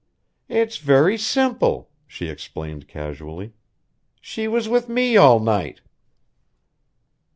"It's very simple," she explained casually. "She was with me all night."